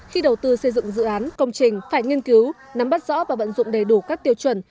khi đầu tư xây dựng dự án công trình phải nghiên cứu nắm bắt rõ và vận dụng đầy đủ các tiêu chuẩn